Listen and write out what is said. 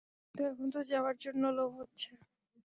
কিন্তু এখন তো যাবার জন্য লোভ হচ্ছে।